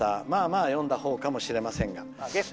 まあまあ読んだほうかもしれません。